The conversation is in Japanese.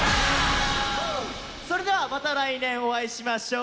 それではまた来年お会いしましょう。